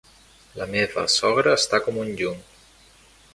La meva sogra està com un llum.